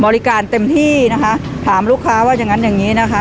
เต็มที่นะคะถามลูกค้าว่าอย่างงั้นอย่างงี้นะคะ